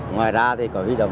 ngoài ra thì có huy động